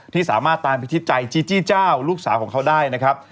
ที่สามารถตามพิทิศใจจีจี้เจ้าลูกสาวของเขาได้นะครับ